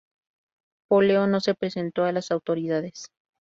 Poleo no se presentó a las autoridades.